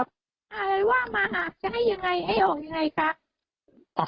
ได้มามาแล้วครับ